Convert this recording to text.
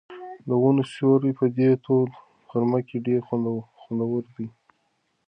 د ونو سیوری په دې توده غرمه کې ډېر خوندور دی.